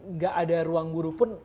nggak ada ruang guru pun